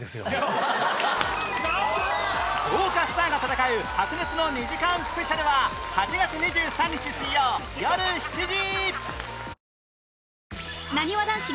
豪華スターが戦う白熱の２時間スペシャルは８月２３日水曜よる７時